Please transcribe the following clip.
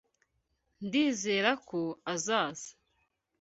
Ndizera ko azaza.